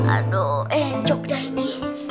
aduh ejog dah ini